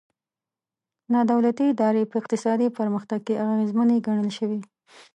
نا دولتي ادارې په اقتصادي پرمختګ کې اغېزمنې ګڼل شوي.